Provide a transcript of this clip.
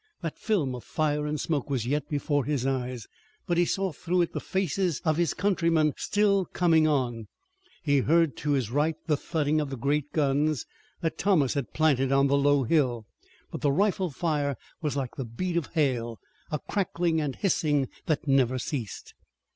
That film of fire and smoke was yet before his eyes, but he saw through it the faces of his countrymen still coming on. He heard to his right the thudding of the great guns that Thomas had planted on a low hill, but the rifle fire was like the beat of hail, a crackling and hissing that never ceased.